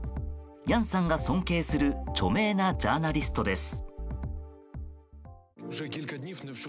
ヤンさんが尊敬する著名なジャーナリストです。